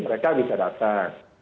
mereka bisa datang